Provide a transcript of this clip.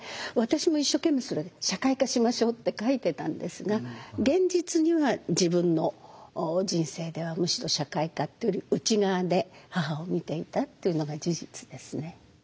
私も一生懸命それで社会化しましょうって書いてたんですが現実には自分の人生ではむしろ社会化っていうより内側で母を見ていたっていうのが事実ですね。